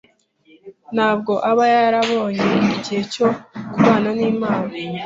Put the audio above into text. Ntabwo aba yarabonye igihe cyo kubana n’Imana,